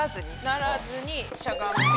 ならずにしゃがむ。